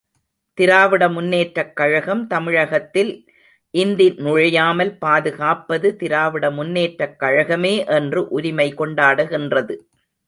திராவிட முன்னேற்றக் கழகம், தமிழகத்தில் இந்தி நுழையாமல் பாதுகாப்பது திராவிட முன்னேற்றக் கழகமே என்று உரிமை கொண்டாடுகின்றது.